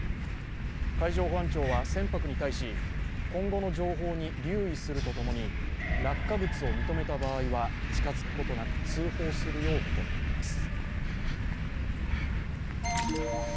海上保安庁は船舶に対し今後の情報に留意するとともに落下物を認めた場合は近づくことなく、通報するよう求めています。